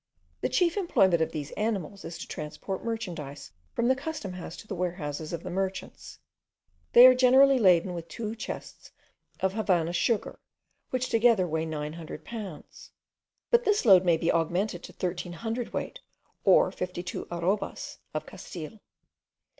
The chief employment of these animals is to transport merchandise from the custom house to the warehouses of the merchants. They are generally laden with two chests of Havannah sugar, which together weigh 900 pounds; but this load may be augmented to thirteen hundred weight, or 52 arrobas of Castile.